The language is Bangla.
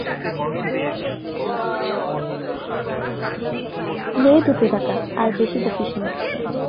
নে দুটো টাকা, আর বেশি বকিস নে।